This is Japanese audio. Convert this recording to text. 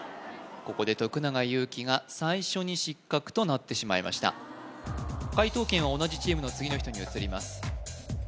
ここで徳永ゆうきが最初に失格となってしまいました解答権は同じチームの次の人に移ります